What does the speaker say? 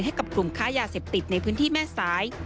ให้กับกลุ่มค้ายาเสพติดในพื้นที่แม่สาย